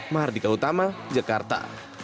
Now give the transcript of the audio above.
mahardika utama jakarta